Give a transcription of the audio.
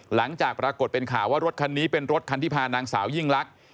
หลังจากปรากฏเป็นข่าวว่ารถคันนี้เป็นรถคันที่พานางสาวยิ่งลักษณ์